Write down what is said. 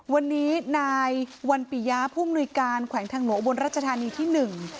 วันนี้นายวันปิยาผู้มนุยการแขวงทางหลวงอุบลรัชธานีที่หนึ่ง